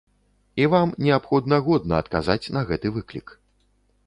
І вам неабходна годна адказаць на гэты выклік.